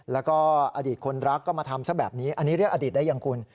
แล้วก็อดีตคนรักก็มาทำซะแบบนี้อันนี้เรียกอดีตได้ยังคุณ